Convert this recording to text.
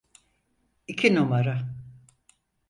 İki numara.